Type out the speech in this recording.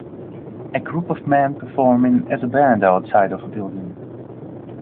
A group of men performing as a band outside of a building.